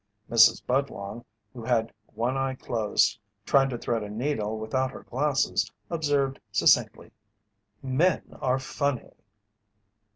Mrs. Budlong, who had one eye closed trying to thread a needle without her glasses, observed succinctly: "Men are funny."